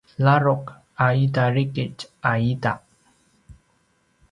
ladruq a ita drikitj a ita